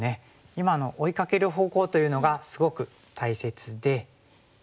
今の追いかける方向というのがすごく大切で。